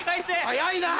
早いなぁ！